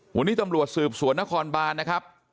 วันนี้ตำรวจสืบสวนนครบานนะครับ